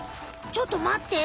ちょっとまって。